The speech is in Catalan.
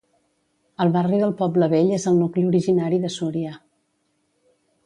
El barri del poble vell és el nucli originari de Súria.